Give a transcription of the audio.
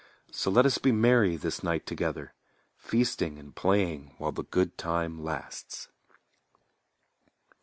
So let us be merry this night together, Feasting and playing while the good time lasts.